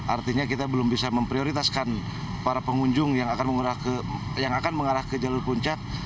artinya kita belum bisa memprioritaskan para pengunjung yang akan mengarah ke jalur puncak